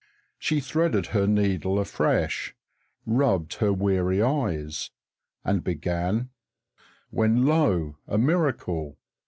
She threaded her needle afresh, rubbed her weary eyes, and began when, lo! a miracle.